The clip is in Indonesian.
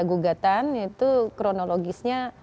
gugatan itu kronologisnya